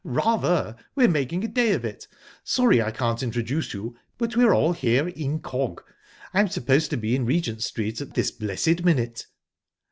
"Rather! We're making a day of it. Sorry I can't introduce you, but we're all here incog. I'm supposed to be in Regent Street at this blessed minute."